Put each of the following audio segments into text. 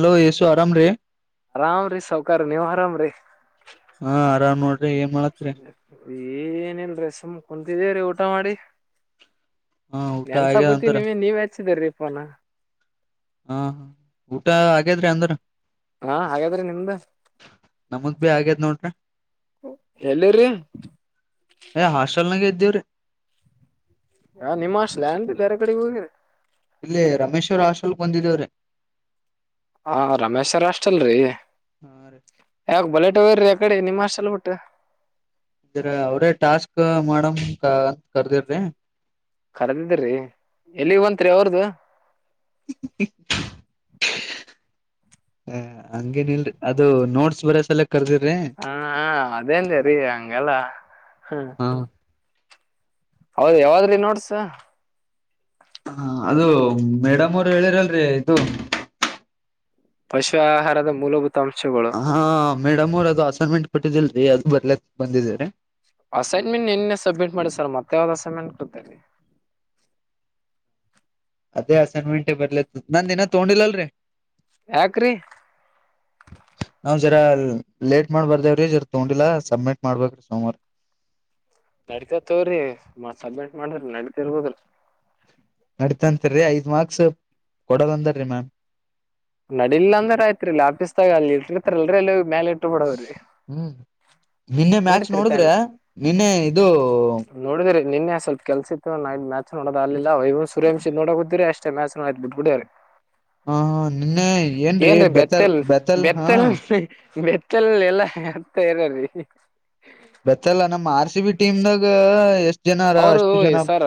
Hello ಯೇಸು ಆರಾಮ್ರೀ ಆರಾಮ ರೀ ಸಾವಕಾರ ನೀವು ಆರಾಮ ರೀ ಹಾ ಆರಾಮ್ ನೋಡ್ರಿ ಏನ್ ಮಾಡತ್ರಿ ಏನಲ್ರ ಸುಮ್ಮ್ ಕುಂತಿದೇರಿ ಊಟ ಮಾಡಿ ಹಾ ಊಟ ಆಗ್ಯದ ನೆನ್ಸಗತಿ ಅಂದ್ರ ನೀವ ನೀವ್ ಹಚ್ಚಿದರರಿ ಪೋನ ಹಾ ಊಟ ಹಾಗಗಾದ್ರಿ ಅಂದ್ರ ಹಾ ಹಾಗಾದ್ರಿ ನಿಮ್ದ ನಮಗ್ ಭಿ ಆಗ್ಯದ್ ನೋಡ್ರಿ ಹೇಳಲ್ಲ ರೀ ಏ ಹಾಸ್ಟೆಲ್ನಾಗ ಇದ್ದೇವ್ರೀ ಹಾ ನಿಮ್ಮ ಅಷ್ಟಲ್ಡ ಬರೆ ಕಡೆ ಹೋಗಿರ ಇಲ್ಲೇ ರಮೇಶ್ವರ್ ಹಶೋಲ್ಕ್ ಬಂದಿದೇವ್ರೆ ಹ ರಮೇಶ್ರ್ ಅಷ್ಟಲ್ರರಿ ಹಾ ರ ಊಟ ಬರ ಕಡೆ ನಿಮಷಲ್ ಹೊಊಟ್ಟ ಇದ್ರ ಅವ್ರೇ ಟಾಸ್ಕ್ ಮಾಡಮ ಅಂತ ಕರ್ದಿರ್ರಿ ಕರೆದಿದ್ದಿ್ರಿ ಎಲ್ಲಿ ಬಂತತ್ರಿ ಅವ್ರದು ಹ ಹಂಗೇನ ಇಲ್ರಿ ಅದು ನೋಡ್ಸ್ ಬರ ಸಲ ಕರ್ದಿರ್ರಿ ಹ ಅದೇಂದೇ ರೀ ಹಂಗೆಲ್ಲ ಹಾ ಹೌದು ಯಾವಾದ್ರಿ ನೋಡ್ಸ ಹ ಅದು ಮೇಡಮ್ ಅವರು ಹೇಳಿರಲ್ರಿ ಆಯ್ತು ಪಶು ಆಹಾರದ ಮೂಲಭೂತ ಅಂಶಗಳು ಹಾ ಮೇಡಮ್ ಅವರು ಅದು ಅಸೈನ್ಮೆಂಟ್ ಕೊಟ್ಟಿದ್ದಿಲ್ರರಿ ಅದು ಬರ್ಲಕ್ಕೆ ಬಂದಿದರಿ. ಅಸೈನ್ಮೆಂಟ್ ನಿನ್ನ ಸಬ್ಮಿಟ್ ಮಾಡಿ ಸರ್ ಮತ್ತ ಯಾವ್ದ್ ಅಸೈನ್ಮೆಂಟ್ ಕೊಡ್ತರಿ. ಅದೇ ಅಸೈನ್ಮೆಂಟ್ ಬರ್ಲ ನಂದ ದಿನ ತಗೊಂಡಿಲ್ಲಲ್ರರಿ. ಯಾಕ್ರೀ [unintelligible] [inaudible] ನಾವ್ ಜರ ಲೇಟ್ ಮಾಡ್ಬರ್ವ್ರೀ ಜರ ತಗೊಂಡಿಲ್ಲಾ ಸಬ್ಮಿಟ್ ಮಾಡ್ಬೇರಿ ಸೋಮವಾರ. [inaudible] ನಡತ ತೋವ್ರಿ ಮತ್ ಸಬ್ಮಿಟ್ ಮಾಡ್ರಿ ನಡತ ಇರ್ಬೋದಿಲ್ಲ. ನಡತಂತರಿರಿ ಐದ್ ಮಾರ್ಕ್ಸ್ ಕೊಡದಂದ್ರೀ ಮ್ಯನ್ [unintelligible] ನಡಿಲ್ಲಾ ಅಂದ್ರ ಆಯ್ತ್ರಿ ಇಲ್ಲಾಪೀಸ್ ತಾಗ ಅಲ್ಲಿ ಇಟ್ತರಿಲ್ರಿ ಎಲ್ಲಿ ಮೇಲೆ ಇಟ್ ಬಿಡವ್ರಿ [unintelligible] ಹ್ಮ್ ನಿನ್ನೆ ಮ್ಯಾಚ್ ನಡೀತ್ರಿ ಪ್ಯಾನ್ ನೋಡಿದ್ರೆ ನಿನ್ನೆ ಇದು. ನೋಡಿದ್ರಿ ನಿನ್ನೆ ಸ್ವಲ್ಪ ಕೆಲ್ಸಿತ್ತು ನೈ ಮ್ಯಾಚ್ ನೋಡೋದ ಆಲ್ಲಿಲ್ಲ ಸೂರ್ಯವಂಶಿ ನೋಡ ಹುದಿರಿ ಅಷ್ಟ ಮ್ಯಾಚ್ ನೋ ಬಿಟ್ಡ್ಬಿಡರಿ. ಹಾ ಹ ನಿನ್ನೆ ಏನ್ರೀ ಬೆತಲ್ ಬೆತ್ತಲ್ ಬೆತಲ್ ಹಾ. [unintelligible] ಚಲ್ಲಿ ಎಲ್ಲ ಹರ್ತ ಇರೀ. ಬೆತ್ತಲ್ಲ ನಮ್ಮ್ ಆರ್ ಸಿ ಬಿ ಟೀಮ್ ದಾಗ ಎಷ್ಟು. ಅವರು ಸರ್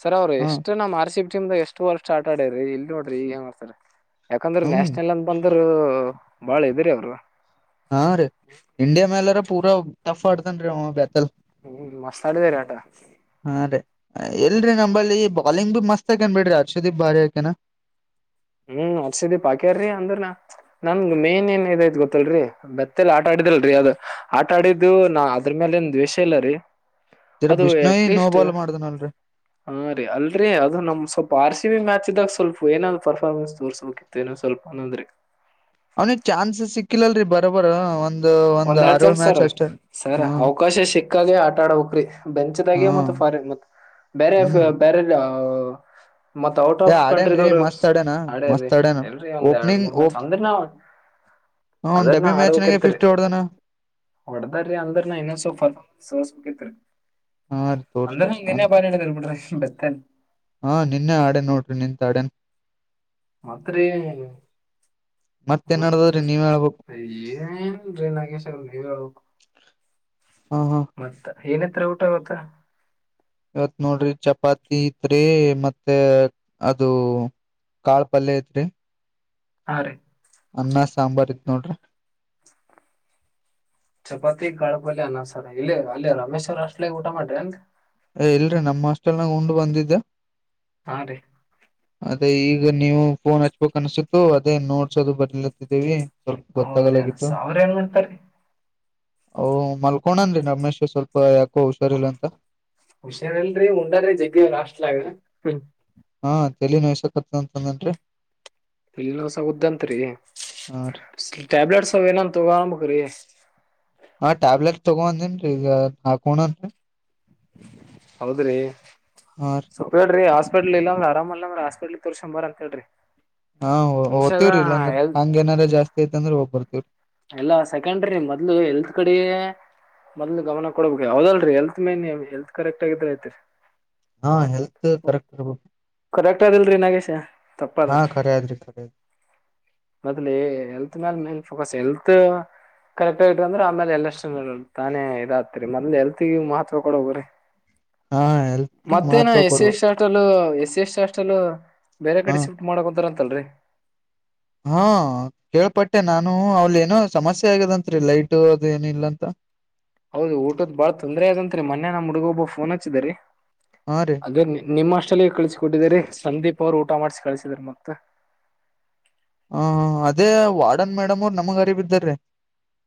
ಸರ್ ಅವ್ರು ಹ ಎಷ್ಟು ನ ಆರ್ಸಿ. [unintelligible] ಟೀಮಾಗ ಎಷ್ಟು ವರ್ ಸ್ಟಾರ್ಟ್ ಆಡರರಿ ಇಲ್ಲಿ ನೋಡ್ರಿ ಏನ್ ಮಾಡ್ತಾರಾಕಂದ್ರೆ ಹ್ಮ್ ನ್ಯಾಷನಲ್ ಅಂದ ಬಂದ್ರರು [unintelligible] ಬಾಳ ಇದರಿ ಅವರು. ಹಾ ರೀ ಇಂಡಿಯಾ ಮೇಲಾರ ಪೂರಾ ಟಫ್ ಆಡ್ತನ್ ಅವ ಬೆತಲ್. [unintelligible] ಹ್ಮ್ ಮಸ್ತ ಆಡಿದೇರಿ ಆಟ [unintelligible] ಎಲ್ರರಿ ನಂಬಲ್ಲಿ ಬಾಲಿಂಗ್ ಭ ಮಸ್ತ್ ಆಕನ್ ಬಿಡ್ರಿ ಅರ್ಶುದೀಪ್ ಭಾರ್ಯಾಕೇನಾ [unintelligible] ಹ್ಮ್ ಹರ್ಷಿದೀಪ್ ಆಾಕ್ಯಾರೀ ಅಂದ್ರ ನನ್ ಮೇನ್ ಏನ್ ಇದೈ ಗೊತ್ತಲ್ರರಿ ಬೆತ್ತಲ್ ಆಟ ಆಡಿ. ಲ್ರರಿ ಅದು ಆಟ ಆಡಿದ್ದು ನ ಅದ್ರ ಮೇಲೆ ಏನ್ ದ್ವೇಷ ಇಲ್ಲ ರೀ. ಜರ ಅದು ಬಿಷ್ಣೋಯ್ ನೋ ಎಟ್ಲೀಸ್ಟ್ ಬಾಲ್ ಮಾಡ್ದನಲ್ರಿ ಹ ರೀ ಅಲ್ರಿ ಅದು ನಮ್ ಸ್ವ [unintelligible] ಆರ್ ಸಿ ಬಿ ಮ್ಯಾಚ್ ಇದಾಗ ಸ್ವಲ್ಪ ಏನಾದ್ ಪರ್ಫಾರ್ಮೆನ್ಸ್ ತೋರ್ಸ್ಬೇಕಿತ್ತು ಏನ ಸ್ವಲ್ಪ ಅಂದ್ರೆ. ಅವನಿಗೆ ಚಾನ್ಸಸ್ ಸಿಕ್ಕಿಲ್ಲಲ್ರರಿ ಬರೋಬರ ಒಂದ. ಒಂದ್ ಎರಡ್ ಜನ್ಸ್ ಸರ್ ಸರ್ ಹ್ಮ್ ಅವಕಾಶ ಸಿಕ್ಕಾಗ ಆಟ ಆಡ ಹಕ್ರಿ ಬೆಂಚ್ದಾಗ ಮತ್ತ ಹ್ಮ್ ಫಾರಿ. ಮ ಬೇರೆ ಹ್ಮ್ ಬೇರೆಲ್ಲ. ಮತ್ ಔಟ್ ಏ ಆಫ್ ಆಡ್ಯನ್ರಿ ಕಂಟ್ರಿದವರು ಮಸ್ತ್ ಆಡ್ಯನ ಆಡ್ಯಿ ಮಸ್ತ್ ಆಡ್ಯನ ಎಲ್ರರಿ ಒಂದ್ ಎರಡ್ ಓಪನಿಂಗ್ ಮೂರ್ ಮ್ಯಾಚ್ ಓಪ್ ಅಂದ್ರಿ ನಾವು. [unintelligible] ಹ ಅದನ್ನ ಡಬ್ಬಿ ಆಡ್ಬೇಕಕ್ ಮ್ಯಾಚ್ನಾಗೆ ಇತರಿ. ಫಿಫ್ಟಿ ಹೊಡ್ದನ ಹೊಡದ ಅಂದ್ರನ ಇನ್ನ ಸ ಸಸ. ಹಾ ರೀ ತೋರ್ಸ್ಬೋ ಅಂದನ ಬಾರ ಕರುಬಿಡ ಬೆತನ್. ಹಾ ನಿನ್ನೆ ಆಡ ನೋಡ್ರಿ ನಿಂತ ಆಡೇನ್. ಮತ್ರಿ [unintelligible] ಮತ್ತೇನ್ ನಡದದ್ರಿ ನೀವ್ ಹೇಳ್ಬೇಕು ಮತ್ತೆ ಏನ್ರೀ ನಾಗೇಶ್ ಅವ ಹಬೇಕು [unintelligible] ಹಾ ಹಾ [unintelligible] ಏನತ್ರ ಊಟ ಅವತ್ತ. ಇವತ್ ನೋಡ್ರಿ ಚಪಾತಿ ಐತ್ರಿ ಮತ್ತೆ ಅದು [unintelligible] ಕಾಳ ಪಲ್ಯ ಐತ್ರಿ. ಹಾ ರೀ. ಅನ್ನ ಸಾಂಬಾರ್ ಇತ್ ನೋಡ್ರಿ [unintelligible] ಚಪಾತಿ ಕಾಳಪಲ್ ಅನ್ನಸರ ಇಲ್ಲಿ ಅಲ್ಲಿ ರಮೇಶ್ ಅವರ್ ಅಷ್ಟ್ ಊಟ ಮಾಡ್ರಿ ಏನ್. ಏ ಇಲ್ರೀ ನಮ್ಮ್ ಅಸ್ಟೆಲ್ನಾಗ ಉಂಡ್ ಬಂದಿದ್ದ. ಹಾ ರೀ [unintelligible] ಅದ ಈಗ ನೀವು ಫೋನ್ ಹಚ್ಬೇಕಕ್ ಅನ್ಸತ್ತು ಅದೇ ನೋಡ್ಸೋದು ಬರ್ಲತ್ತಿದ್ದೀವಿ. ಸ್ವಲ್ಪ ಹೌದ್ರಿ ಗತ್ತಾಗಲಗತ್ತು [unintelligible] ಅವ್ರ ಏನ್ ಮಾಡ್ತಾರ್ರಿ ಓ ಮಲ್ಕೋಣನ್ರಿ ರಮೇಶ ಸ್ವಲ್ಪ ಯಾಕೋ ಹುಷಾರಿಲ್ಲ ಅಂತ. ಹುಷಾರಲ್ರರಿ ಉಂಡಾದ್ರಿ ಜಗ್ಗ ಅಷ್ಟಲಗ. ಹಾ ತಲ ನಸಕತಂತಂದನ್ರಿ [unintelligible] ಇಸ ಉುದ್ದಂತರಿ ಹಾ ರೀ ಟ್ಯಾಬ್ಲೆಟ್ಸ್ ಏನ ತಗಬೇಕ [unintelligible] [inaudible] ಹಾ ಟ್ಯಾಬ್ಲೆಟ್ ತಗೊಂದನ್ ಈಗ ಹಾಕೋಣನ್ರಿ ಹೌದ್ರಿ ಸ್ವಲ್ ಹೇಳ್ರಿ ಆಸ್ ಹಸ್ಪೆಟ್ಲ್ ಇಲ್ಲಂದ್ರ ಆರಾಮ ಅಂದ್ರ ಹಸ್ಪಟ್ಲ್ ತರ್ರಿಸಕಂಬಾರ ಅಂತ ಹೇಳ್ರಿ ಮನ್ಷ್ಯಾಗ ಹಾಓದ್ತಿವ್ರರಿ ಇಲ್ಲಾಂದ್ರ ಎಲ್ ಹಂಗ ಏನಾರ ಜಾಸ್ತಿ ಐತ್ ಅಂದ್ರೆ ಹೋಗ್ಬರ್ತತಿವ್ರಿ ಎಲ್ಲಾ ಸೆಕೆಂಡ್ರಿ ಮೊದ್ಲು ಎಲ್ತ್ ಕಡೆ ಮೊದ್ಲು ಗಮನ ಕೊಡ್ಬೇಕಕ್ ಯಾವದಲ್ರರಿ ಹೆಲ್ತ್ ಮೇನ್ ಹೆಲ್ತ್ ಕರೆಕ್ಟ್ ಆಗಿದ್ರ ಐತ್ರಿ ಹಾ ಹೆಲ್ತ್ ಕರೆಕ್ಟ್ಬ ಕರೆಕ್ಟರ್ ಇಲ್ರಿ ನಾಗೇಶ ತಪ್ಪದ ಹಾ ಖರೆ ಅದ್ರಿ ಖರೆ ಅದ್ರಿ. ಮದಲ ಎಲ್ತ್ ಮೇಾಲನ್ ಫೋಕಸ್ ಎಲ್ತ್ ಕರೆಕ್ಟ್ ಆಗಟ್ ಅಂದ್ರೆ ಆಮೇಲೆ ಎಲ್ಲಷ್ಟು ತಾನೇ ಇದ ಆತಿರಿ ಮೊದ್ ಎಲ್ತ್ಗ ಮಹತ್ವ ಕೊಡ ಹೋಗ್ರಿ ಹಾ ಹೆಲ್ತ್ ಮತ್ತೇನ ಮಹತ್ವ ಎಸ್ ಎ ಕೊಡ್ಬೇಕ್ ಶಾಟ್ಲ್ ಎಸ್ ಸಿ ಎಸ್ ಅಸ್ಟಲ್ಲ ಬೇರೆ ಹಾ ಕಡೆ ಶಿಫ್ಟ್ ಮಾಡಕ್ತಾರಂತಲ್ರರಿ ಹಾ ಕೇಳ್ಪಟ್ಟೆ ನಾನು ಅವಲ್ ಏನೋ ಸಮಸ್ಯೆ ಆಗ್ಯದಂರಿ ಲೈಟ ಅದೇಏನ ಇಲ್ಲ ಅಂತ [inaudible] ಹೌದು ಊಟದ್ ಬಾಳ ತೊಂದರೆ ಅದಂತ್ರಿ ಮೊೆ ನ ಹುಗೊಬ್ಬ ಫೋನ್ ಹಚ್ಚಿದರಿ ಹಾ ರೀ ಅದೇ ನಿಮ್ಮಷ್ಟ ಚಲ ಕಳಿಸಿಕೊಟ್ಟಿದ್ರರಿ ಸಂದೀಪ್ ಅವರು ಊಟ ಮಾಡಿಸಿಿ ಕಳಸಿದರು ಮತ್ತ ಹ ಅದೇ ವಾಡನ್ ಮೇಡಮ್ ಅವರು ನಮ್ಗ ಗರಿಬಿದ್ದಾರ್ರೀ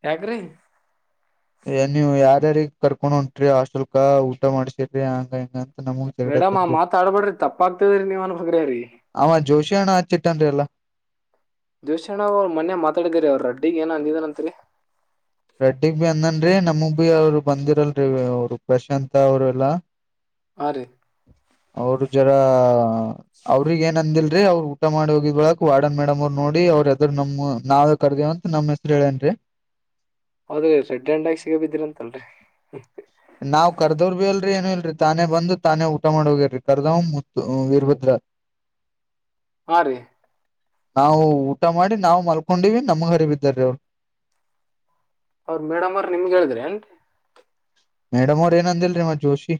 ಯಾಕ್ರಿ ಎನ ಯಾರ ಅ ಕರ್ಕೊಂಡ್ ಹೊಂಟ್ರಿ ಹಾಸ್ಟೆಲ್ಕ ಊಟ ಮಾಡಸಿರ್ರಿ ಹಂಗ ಹಂಗ ಮೇಡಮ್ ಆ ಮಾತಾಡ್ಬೇಡ್ರಿ ತಪ್ಪಾಗಗ್ತದ್ರಿ ನೀವ್ ಅನ್ಬಗ್ರರಿ ಣ ಆ ಚಿಟ್ಟನ್ ಎಲ್ಲ ದೋಶ್ಯಣ್ಣ ಅವರು ಮನೆ ಮಾತಾಡಿದೀರಿ ಅವರು ರಡ್ಡಿಗೆ ಏನ ಅಂದಿದಾನ ಅಂತರಿ ರೆಡ್ಡಿಗ್ ಬಿ ಅಂದನ್ರೀ ನಮಗ್ ಭ ಅವ್ರು ಬಂದಿರಲ್ರಿ ಅವರು ಪ್ರಶಾತ್ ಅವರು ಎಲ್ಲಾ ಹಾ ರೀ ಅವರು ಜರ ಅವ್ರಗ್ ಏನ್ ಅಂದಿಲ್ರಿ ಅವ್ರುಊಟ ಮಾಡಿ ಹೋಗಿದ ಬಳಕ್ ವಾರ್ಡನ್ ಮೇಡಮ್ ಅವ್ ನೋಡಿ ಅವ್ರರುದ್ ನಮ್ಮ್ ನಾವವು ಕರ್ದೇವಂತ ನಮ್ಮ್ ಹೆಸರು ಹೇಳೇನ್ರಿ ಹೌದ್ರಿ ರೆಡ್ಡಗ ಸಿಗ ಬಿದ್ದಿರ ಅಂತಲ್ರರಿ ನಾವ್ ಕರ್ದವರ್ ಬಿ ಅಲ್ ಅಲ್ರಿ ಏನು ಇಲ್ರರಿ ತಾನೇ ಬಂದು ತಾನೇ ಊಟ ಮಾಡ ಹೋಗಿರಿ ಕರ್ದವ ಮು ಇರ್ಭದ್ರ ಹಾ ರೀ ನಾವು ಊಟ ಮಾಡಿ ನಾವವು ಮಲ್ಕೊಂಡಿವವಿ ನಮ್ಗ್ ಹರಿಬಿದ್ದಾರೀ ಅವರು ಅವ್ರ ಮೇಡಮ್ ಅವ್ರ ನಿಮಗೆ ಹೇಳಿದ್ರಿ ಏನ್ರಿ ಮೇಡಮ್ ಅವ್ರ ಏನಂದಿಲ್ರಿಮ್ಮ ಜೋಶಿ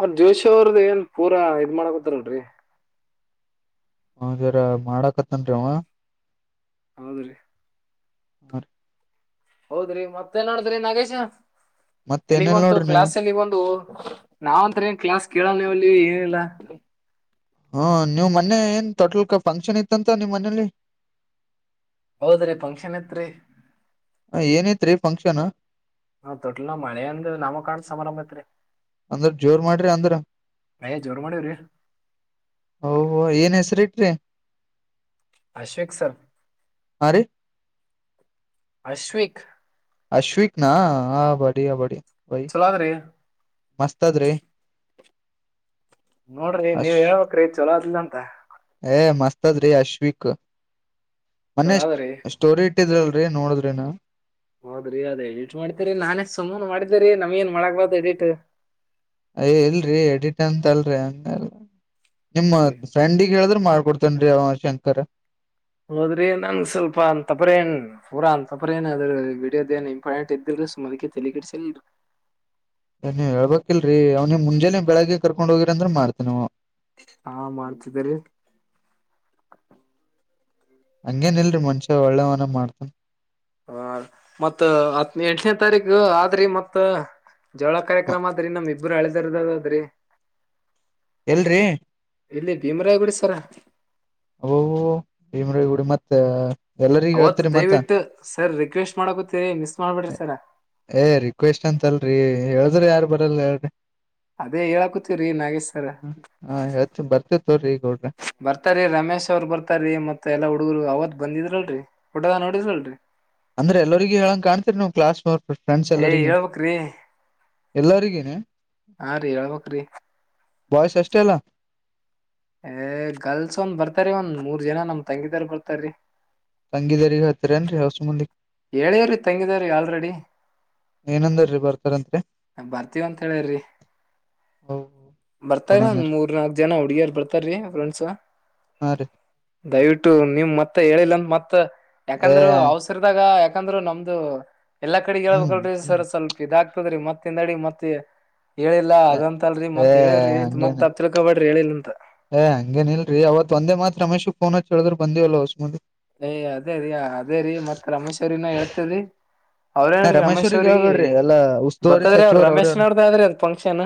ಅವ್ರ ಜೋಶಿ ಅವ್ರದ ಏನ್ ಪೂರಾ ಇದ್ ಮಾಡಕೊತಾರಡ್ರಿ ಹದರ ಮಾಡಕತ್ತನ್ರಿ ಅವ ಹೌದ್ರಿ ಹ ಹೌದ್ರಿ ಮತ್ತೆನ್ ನೋಡಿದ್ರಿ ನಾಗೇಶ ಮತ್ ಎಲ್ಲಿಗ್ ಏನಿಲ್ ಬಂತು ನೋಡ್ರಿ ನೀವ್ ಕ್ಲಾಸ್ ಅಲ್ಲಿ ಬಂದು ನಾವಂತ ಏನ್ ಕ್ಲಾಸ್ ಕೇಳಲ್ವುಲ್ಲಿ ನೀ ಏನಿಲ್ಲ ಹ್ಮ ನೀವ್ ಮನೆೆ ಏನ್ ಟೋಟಲ್ ಫಂಕ್ಷನ್ ಇತ್ತಂತ ನಿಮ್ಮ್ ಮನೇಲಿ ಹೌದ್ರಿ ಫಂಕ್ಷನ್ ತ್ರಿ ಹ ಏನೈತ್ರಿ ಫಂಕ್ಷನ್ ಹಾ ತೊಟ್ಲ ನ ಮಳೆ ಅಂದ ನಮ್ಮ ಕಾಣ ಸಮಾರಂಭ ಐತ್ರಿ ಅಂದ್ರ ಜೋರ್ ಮಾಡ್ರಿ ಅಂದ್ರ ಅಯ್ಯ ಜೋರ್ ಮಾಡಿವ್ರಿ ಓ ಏನ್ ಹೆಸರಿ ಇಟ್ರಿ ಅಶ್ವೇಕ್ ಸರ್ ಹಾ ರೀ ಅಶ್ವಕ್ ಅಶ್ವಕ್ ನ ಆ ಬಡಿ ಬಡಿ ಒಯ್ ಚಲೋ ಅದ್ರಿ ಮಸ್ತ್ ಅದ್ರೀ ನೋಡ್ರಿ ನೀವ್ ಹೇಳ್ಬೇಕ್ರಿ ಚಲೋ ಅದಿಲ್ಲ ಅಂತ ಮಸ್ತಜ ರೀ ಅಶ್ವಕ್ ಮನೆ ಚಲೋ ಅದ್ರಿ ಸ್ಟೋರಿ ಇಟ್ಟಿದ್ರಲ್ರರಿ ನೋಡಿದ್ರಿನು ಹೌದ್ರಿ ಅದೇ ಎಡಿಟ್ ಮಾಡ್ತೇರಿ ನಾನೇ ಸುಮನೆ ಮಾಡಿದ್ದೇರಿ ನಮ್ ಏನ್ ಮಾಡಕ್ಬಾರ್ದ ಎಡಿಟ್ ಅಯ ಇಲ್ರರಿ ಎಡಿಟ್ ಅಂತಲ್ರಿ ಹಂಗ ನಿಮ್ಮ ನೋಡ್ರಿ ಫ್ರಂಡಗ್ ಹೇಳಿದ್ರ ಮಾಡ್ಕೊಡ್ತೇನ್ೀ ಅವ ಶಂಕರ ಹೋದ್ರಿ ನನ್ ಸ್ವಲ್ಪ ಅಂತ ತಪ್ರ ಏನ್ ಪೂರ ಅಂತಪ್ರ ಏನ್ ಅದ್ರ ವಿಡಿಯೋದಏನ್ ಇಂಪಾರ್ಟೆಂಟ್ ಇದ್ದಿ ಸ ಮದಕ್ಕೆ ತಿಲ ಕೆಡಿಸ ಏ ನೀ್ ಹೇಳ್ಬೇಕಿಲ್ರರಿ ಅವ್ ನೀ್ ಮುಂಜೆಾನ ಬೆಳಗ್ಗೆ ಕರ್ಕೊಂಡ್ ಹೋಗಿರಿ ಅಂದ್ರ ಮಾಡ್ತ ನೀವು ಹಾ ಮಾಡ್ತಿದ್ದರಿ ಹಂಗೇನ ಇಲ್ರಿರಿ ಮನ್ಷ್ಯ ಒಳ್ಳೆವನ ಮಾಡ್ತನ್ ಹ ಮತ್ ಹತ್ ಎಂಟನೇ ತಾರೀಕು ಆದ್ರಿ ಮತ್ತ ಜೋಳ ಕಾರ್ಯಕ್ರಮ ಅದ್ರಿ ನಮ್ ಇಬ್ಬರು ಹಳೆದರದದದ್ರಿ ಎಲ್ರಿ ಇಲ್ಲಿ ಭೀಮರಾಯಗುಡಿ ಸರ ಭಮ್ರಗುಡಿ ಮತ್ತ ಎಲ್ಲರಿಗ ಅವತ್ ಹೇಳ್ತರಿ ಮತ್ತ ದಯವಿಟ್ಟು ಸರ್ ರಿಕ್ವೆಸ್ಟ್ ಮಾಡಕೊತೀರಿ ಮಿಸ ಏ ರಿಕ್ವೆಸ್ಟ್ ಅಂತಲ್ರಿ ಹೇಳದ್ರಿ ಯಾರು ಬರಲ್ಲಿ ಅದೇ ಹೇಳಕತ್ತೀವ್ರಿ ನಾಗೇಶ್ ಸರ್ ಹ ಯತ್ತು ಬರ್ತೇ ತೋ್ರಿ ಈಗ ಹೋಡ್ರಿ ಬರ್ತಾರೀ ರಮೇಶ್ ಅವರು ಬರ್ತಾರೀ ಮತ್ ಎಲ್ಲಾ ಹುಡುಗರು ಅವತ್ ಬಂದಿದ್ರಲ್ರರಿ ೋಟದ ನೋಡಿದ್ರಲ್ರರಿ ಅಂದ್ರೆ ಎಲ್ಲರಿಗ ಹೇಳಂಗ ಕಾಣ್ೀರಿ ನೀವು ಕ್ಾಸ್ ಏ ಹಳ್ಬೇಕ್ರಿ ಎಲ್ಲರಿಗೇನೆ ಹಾ ರೀ ಹೇಳ್ಬಕ್್ರಿ ಬಯಸ್ ಎಷ್ಟೇ ಅಲ್ಲ ಏ ಗರ್ಲ್ಸ್ ಒಂದ್ ಬರ್ತಾರ ಒಂದ್ ಮೂರ್ ಜನ ನಮ್ ತಂಗಿದಾರ ಬರ್ತಾರೀ ತಂಗಿದದಾರ ಹತ್ತಾರೇನ್ರಿ ಹಸ ಮುಂದಿ ಹೇಳೇವ್ರಿ ತಂಗಿದ್ರೀ ಆಲ್ರೆಡಿ ಏನಂದರ್ರಿ ಬರ್ತಾರಂತ್ರಿ ಬರ್ತೀವ ಅಂತ ಹೇಳಿ್ರಿ ಬರ್ತಾರ ಗುಣನೇ ಒಂದ ರೀ ಮೂರ್ ನಾಲ್ಕ ಜನ ಹುಡ್ಗಿಯರ್ ಬರ್ತಾರೀ ಫ್ರೆಂಡ್ಸ್ ಹಾ ರೀ ದಯವಿಟ್ಟು ನಿಮ್ ಮತ್ತೆ ಹೇಳಿಲ್ಲಂತ ಮತ್ತ ಮತ್ತ್ ಯಾಕಂದ್ರು ಏ ಅವಸರದಾಗ ಯಾಕಂದ್ರರು ನಮ್ದು ಎಲ್ಲಾ ಕಡೆ ಹ್ಮ್ ಹೇಳ್ಬೇಕಲ್ಿ ಸರ್ ಹ್ಮ್ ಸ್ವಲ್ಪ ಇದಾಗ್ತದ್ರಿ ಮತ್ತಿಂದ ಅಡಿ ಮತ್ತೆ ಹೇಳಿಲ್ಲ ಅದಂತ ಅಲ್ರರಿ ಏ ಮತ್ ಹೇಳಿವವ್ರಿ ಮತ್ತ ಅಪ್ಪಪ್ ತಿಳ್ಕೊಬೇಡ್ರಿ ಹೇಳಿಲ್ಲ ಅಂತ ಏ್ ಹಂಗೇನ್ಲ್ರಿ ಅವತ್ ಒಂದೇ ಮಾತ್ರ ರಮೇಶ್ಕ್ ಫೋನ್ ಹಚ್ ಹೇಳಿದ್ ಬಂದಿವವಲ್ಲ ಹೊಸ್ಮಿ ಏಯ ಅದೇರಿ ಅದೇರಿ ಮತ್ ರಮೇಶ್ವರಿನ ಹೇಳ್ತೇವ್ರಿ ನಾ ಅವ್ರೇನ್ರೀ ರಮೇಶ್ ರಮೇಶ್ವರಿಗ್ ಅವ್ರಿಗೆ ಹಳ್ಗಡಿ ಎಲ್ಲಾ ಉಸ್ತುವಾರಿ ಗೊತ್ತದ್ರಿ ಅವ್ರ ಸಚಿವರ ಅವ್ರಾರ ರಮೇಶ್ನವ್ರದಾದ್ರಿ ಅದ್ ಫಂಕ್ಷನ್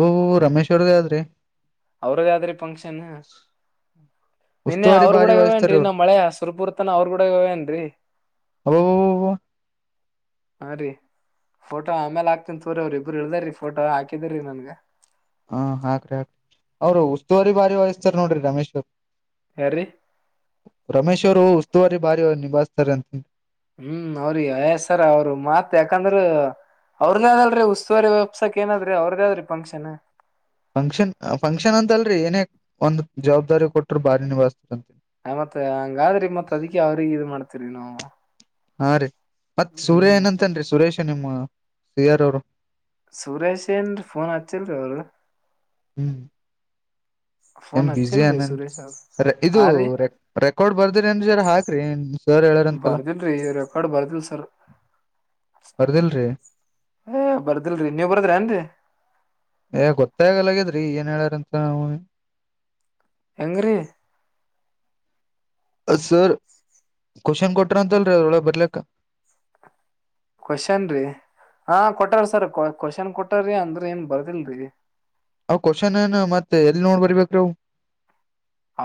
ಓ ರಮೇಶ್ವರ್ದ ಆದ್ರಿ ಅವ್ರಗಾದ್ರೀ ಫಂಕ್ಷನ್ ನಿನ್ನೆ ಉಸ್ತುವಾರಿ ಅವ್ರ ಕೂಡ ಭಾರಿ ವಹಿಸ್ತಾರ ಇವೇನ್ರರಿ ಅವ್ರು ನಮ್ಮ್ ಮಳೆ ಸುರಪುರ್ತನ ಅವ್ರ ಕೂಡ ಇವೇನ್ರರಿ ಹ ಹಾ ರೀ ಫೋಟೋ ಆಮೇಲೆ ಹಾಕ್ತನ್ ತೋರಿ ಅವ್ರರಿ ಇಬ್ಬರು ಇಳ್ದ್ರೀ ಫೋಟೋ ಹಾಕಿದ್ರರಿ ನನ್ಗ ಹಾ ಹಾಕ್ರರಿ ಹಾಕ್ರರಿ ಅವ್ರರು ಉಸ್ತುವಾರಿ ಭಾರಿ ವಯಸ್ತಾರ ನೋಡ್ರಿ ರಮೇಶ್ ಅವ ಹೇಳರಿ ರು ಉಸ್ತುವಾರಿ ಬಾರಿ ನಿಭಾಯ್ತಾರೆ ಅಂತಿ ಹ್ಮ್ ಅವ್ರಿಗೆಸರ ಅವರು ಮತ್ ಯಾಕಂದ್ರ ಅವ್ರದೇ ಅದಲ್ರೀ ಉಸ್ತುವಾರಿ ವ್ಯಾಪ್ಸಾಕ್ ಏನಾದ್ರಿ ಅವ್ರದೇ ಆದದ್ರಿ ಫಂಕ್ಷನ್ ಫಂಕ್ಷನ್ ಫಂಕ್ಷನ್ ಅಂತ ಅಲ್ರರಿ ಏನೇ ಒಂದ್ ಜವಾಬ್ದಾರಿ ಕೊಟ್ರ ಬಾರಿ ನಿವಾಸ ಹ ಮತ್ ಹಂಗಾದ್ರಿ ಮತ್ ಅದ್ಕೆ ಅವ್ರಿಗೆ ಇದ ಮಾಡ್ತಿವ್ರಿ ನಾವು. ಹಾ ರೀ ಮತ್ತ್ ಸೂರ್ಯ ಹ್ಮ್ ಏನಂತನ್ರಿ ಸುರೇಶ ನಿಮ್ಮ ಸಿ ಆರ್ ಅವ್ರು. ಸುರೇಶ್ ಏನ್ರಿ ಫೋನ್ ಹಚ್ಚಿಲ್ರಿ ಅವ್ರು ಹ್ಮ್ ಮ ಫೋನ್ ಬಸಿ ಹಚ್ಚಿಲ್ರಿ ಆನ್ ಏನ್ ಸುರೇಶ್ ಅವ್ರ ಇದು ಹಾ ರೀ ರೆಕಾರ್ಡ್ ಬರ್ದ್ರಿರೇನ್ ಜರ ಹಾಕ್ರಿ. ಸರ್ ಹೇಳ್ಯಾರಂತಲ್ಲ ಬರ್ದಿಲ್ರಿ ರೆಕಾರ್ಡ್ ಬರ್ದಿಲ್ ಸರ್. ಬರ್ದಿಲ್ರೀ. ಏ ಬರ್ದಿಲ್ರಿ ನೀವ್ ಬರ್ದಿರೇನ್ರೀ. ಏ ಗೊತ್ತೇ ಆಗಲಗ್ಯಾದ್ರಿ ಏನ್ ಹೇಳಾರಂತ [unintelligible] ಹೆಂಗ್ರೀ. ಅ ಸರ್ ಕ್ವಷನ್ ಕೊಟ್ರ ಅಂತಲ್ರಿ ಅದರೊಳಗ ಬರ್ಲ್ಯಾಕ. ಕ್ವಶನ್ ರೀ. ಹಾ ಕೊಟ್ಟಾರ ಸರ್ ಕ್ವಶನ್ ಕೊಟ್ಟಾರಿ ಅಂದ್ರ ಏನ್ ಬರ್ದಿಲ್ರಿ. ಹ ಕ್ವಷನೆನ್ ಮತ್ತೆ ಎಲ್ ನೋಡ್ ಬರಿರ್ಬೇಕ್ರಿ ಅವು.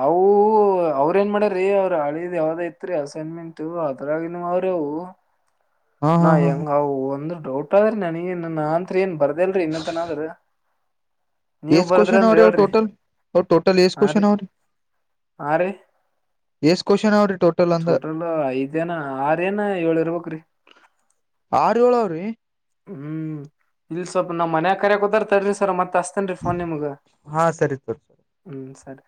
ಅವು ಅವ್ರ ಏನ್ ಮಾಡ್ಯಾರಿ ಅವ್ರ ಹಳಿದ್ ಯಾವ್ದೋ ಇತ್ರಿ ಅಸೈನ್ಮೆಂಟ್ ಅದ್ರಾಗ್ ಇನ್ವು ಆವ್ರಿ. ಹಾ ನಾ ಹಾ ಹಾ ಹೆಂಗ ಒಂದು ಡೌಟ್ ಅದ್ರಿ ನಂಗೆ ನಾ ಅಂತ್ರ ಏನ್ ಬರ್ ಬಾರ್ದಿಲ್ಲ ಇನ್ನತನಾದ್ರೂ. ಏಸ್ ಕ್ವಷನ್ ಆವ್ರಿ ಅವು ಟೋಟಲ್ ಟೋಟಲ್ ಎಸ್ ಹಾ ರೀ ಕ್ವಷನ್ ಅವ್ರಿ. ಹಾ ರೀ. ಎಸ್ ಕ್ವಶನ್ ಅವ್ರಿ ಅಂದ ಟೋಟಲ್ ಐದನೇ ಆರೆನ್ ಏಳು ಇರಬೇಕ್ರಿ ಆರ್ ಏಳು ಅವ್ರಿ ಹ್ಮ್ ಇಲ್ ಸ್ವಲ್ಪ ನಮ್ ಮನ್ಯಗ ಕರಿಯಾ ಕತ್ಯಾರಿ ತಡ್ರಿ ಸರ್ ಮತ್ ಅಷ್ಟ. ನ್ರಿ ಫೋನ್ ನಿಮಗೆ ಹಾ ಸರಿ ತೋರಿ ಹ್ಮ ಸರಿ.